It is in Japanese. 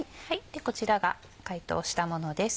こちらが解凍したものです。